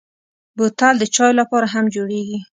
بوتل د چايو لپاره هم جوړېږي.